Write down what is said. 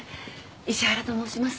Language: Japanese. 石原と申します。